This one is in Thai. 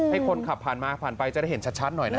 ให้คนขับผ่านมาผ่านไปจะได้เห็นชัดหน่อยนะครับ